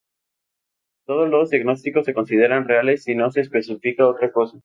Todos los diagnósticos se consideran reales si no se especifica otra cosa.